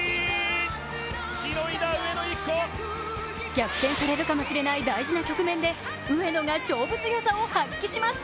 逆転されるかもしれない大事な局面で上野が勝負強さを発揮します。